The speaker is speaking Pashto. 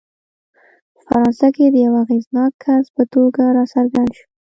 په فرانسه کې د یوه اغېزناک کس په توګه راڅرګند شو.